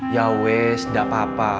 ya wes gak apa apa